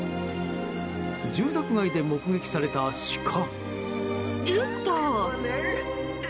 住宅街で目撃されたシカ。